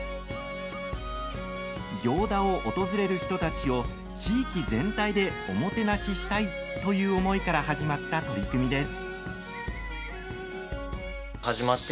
行田を訪れる人たちを地域全体でおもてなししたいという思いから始まった取り組みです。